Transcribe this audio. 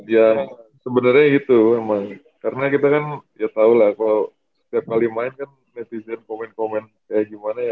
ya sebenarnya itu memang karena kita kan ya tahu lah kalau setiap kali main kan netizen komen komen kayak gimana ya